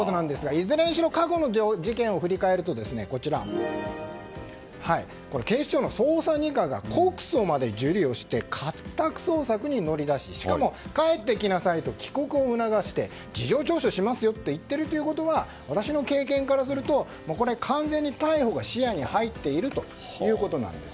いずれにしろ過去の事件を振り返ると警視庁捜査２課が告訴まで受理をして家宅捜索に乗り出ししかも、帰ってきなさいと帰国を促して事情聴取しますよと言っているということは私の経験からすると完全に逮捕が視野に入っているということなんです。